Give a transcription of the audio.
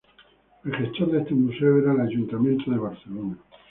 El gestor de este museo era el Ayuntamiento de Barcelona.